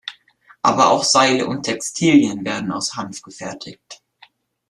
Aber auch Seile und Textilien werden aus Hanf gefertigt.